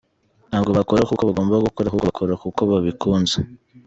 Ntabwo bakora kuko bagomba gukora ahubwo bakora kuko babikunze.